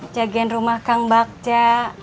jagian rumah kang bakja